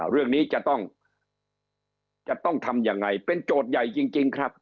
เรื่องนี้จะต้องจะต้องทำยังไงเป็นโจทย์ใหญ่จริงครับ